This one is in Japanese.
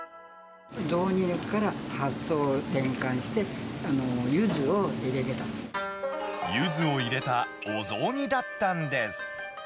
雑煮から発想を転換して、ユズを入れたお雑煮だったんです。